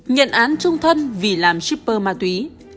nhận án trung thân vì làm shipper ma túy